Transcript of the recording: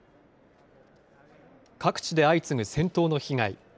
各地で相次ぐ戦闘の被害。